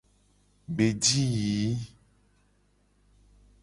Gbe ji yiyi.